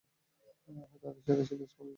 তাদের সাথে ছিল উসমান বিন তালহাও।